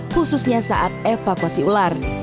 khususnya saat evakuasi ular